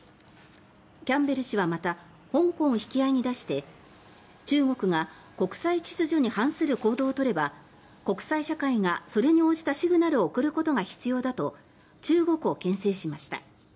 キャンベル氏はまた香港を引き合いに出して中国が国際秩序に反する行動を取れば国際社会がそれに応じたシグナルを送ることが必要だと中国をけん制しました。